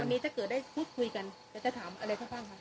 วันนี้จะเกิดได้พูดคุยกันอยากจะถามอะไรครับบ้างครับ